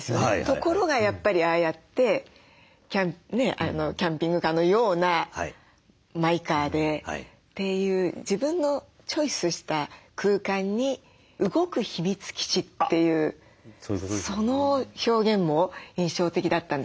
ところがやっぱりああやってキャンピングカーのようなマイカーでっていう自分のチョイスした空間に「動く秘密基地」っていうその表現も印象的だったんですけどヒロシさんはいかがですか？